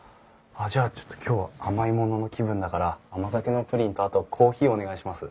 あっじゃあちょっと今日は甘いものの気分だから甘酒のプリンとあとコーヒーお願いします。